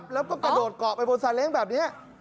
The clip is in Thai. แล้วก็กระโดดเกาะไปบนซาเล้งแบบนี้